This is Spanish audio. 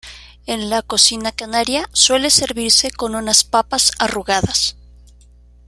En la cocina canaria suele servirse con unas papas arrugadas.